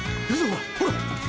ほら！